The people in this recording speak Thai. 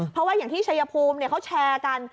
เพราะว่าอย่างที่ชัยภูมิเขาแชร์กัน